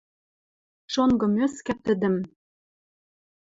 Шонгы Мӧскӓ тӹдӹм.